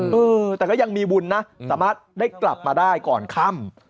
เออแต่ก็ยังมีบุญนะสามารถได้กลับมาได้ก่อนค่ำ